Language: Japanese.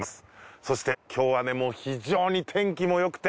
そして今日はね非常に天気もよくて。